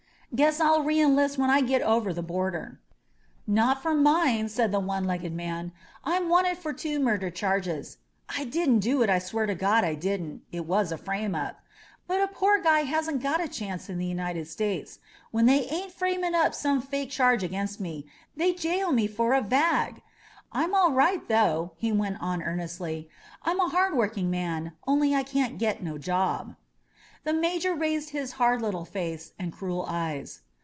"Guess I'll reenlist when I get over the bor der." "Not for mine," said the one legged man. "I'm wanted for two murder charges — ^I didn't do it, swear to God I didn't — ^it was a frame up. But a poor guy hasn't got a chance in the United States. When they ain't framing up some fake charge against me, they jail me for a *vag.' I'm all right though," he went on earnestly. *Tm a hard working man, only I can't get no job." The Major raised his hard little face and cruel eyes.